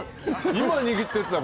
今握ったやつだ